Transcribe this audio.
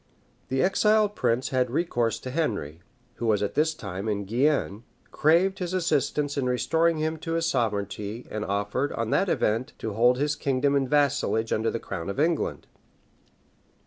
The exiled prince had recourse to Henry, who was at this time in Guienne, craved his assistance in restoring him to his sovereignty, and offered, on that event, to hold his kingdom in vassalage under the crown of England.